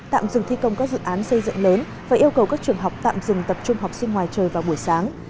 tạm dừng thi công các dự án xây dựng lớn và yêu cầu các trường học tạm dừng tập trung học sinh ngoài trời vào buổi sáng